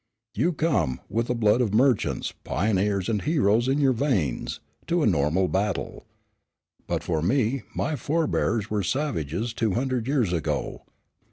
You come, with the blood of merchants, pioneers and heroes in your veins, to a normal battle. But for me, my forebears were savages two hundred years ago.